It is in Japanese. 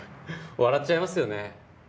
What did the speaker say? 笑っちゃいますよね。